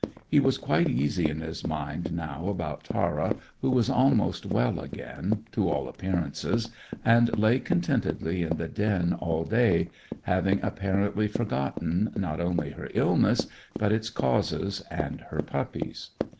He was quite easy in his mind now about Tara, who was almost well again, to all appearances, and lay contentedly in the den all day, having apparently forgotten, not only her illness, but its causes, and her puppies.